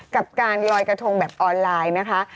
กับการลอยกระทงแบบออนไลน์นะคะ